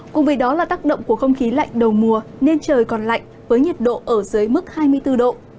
cùng với đó là tác động của không khí lạnh đầu mùa nên trời còn lạnh với nhiệt độ ở dưới mức hai mươi bốn độ